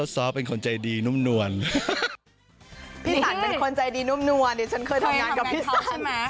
พี่สันเป็นคนใจดีนุ่มนวลเดี๋ยวฉันเคยทำงานกับผู้กำกับพี่สัน